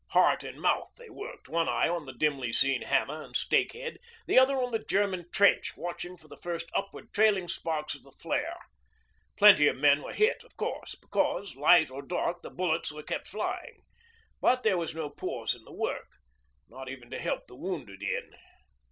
Heart in mouth they worked, one eye on the dimly seen hammer and stake head, the other on the German trench, watching for the first upward trailing sparks of the flare. Plenty of men were hit of course, because, light or dark, the bullets were kept flying, but there was no pause in the work, not even to help the wounded in.